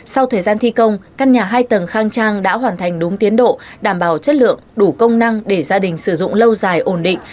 sau thời gian thi công căn nhà hai tầng khang trang đã hoàn thành đúng tiến độ đảm bảo chất lượng đủ công năng để gia đình sử dụng lâu dài ổn định